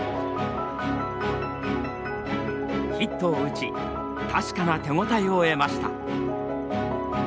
ヒットを打ち確かな手応えを得ました。